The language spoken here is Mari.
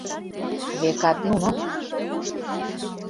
Векат нуно!..